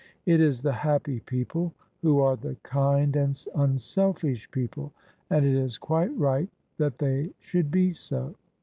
It is the happy people who are the kind and imselfish people; and it is quite right that they should be so.